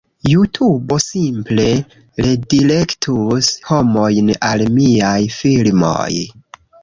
JuTubo simple redirektus homojn al miaj filmoj